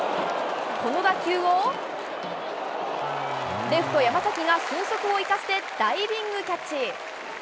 この打球を、レフト、山崎が俊足を生かしてダイビングキャッチ。